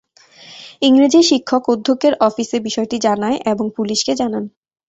ইংরেজি শিক্ষক অধ্যক্ষের অফিসে বিষয়টি জানায় এবং পুলিশকে জানান।